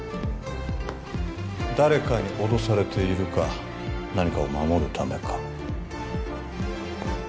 誰かに脅されているか何かを守るためか